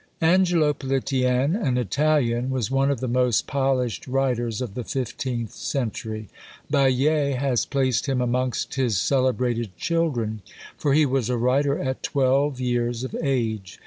Angelo Politian, an Italian, was one of the most polished writers of the fifteenth century. Baillet has placed him amongst his celebrated children; for he was a writer at twelve years of age.